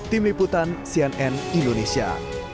tim liputan cnn indonesia